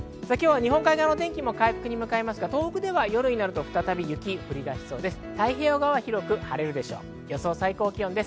日本海側の天気も回復に向かいますが東北では夜になると再び雪が降り出しそうです。